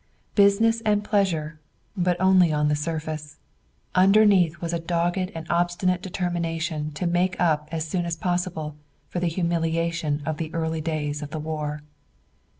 Business and pleasure but only on the surface. Underneath was a dogged and obstinate determination to make up as soon as possible for the humiliation of the early days of the war.